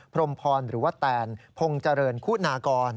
พรมพรหรือว่าแตนพงษ์เจริญคุณากร